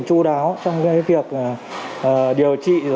chú đáo trong cái việc điều trị